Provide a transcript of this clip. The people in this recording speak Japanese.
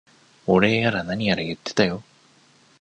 お礼やら何やら言ってたよ。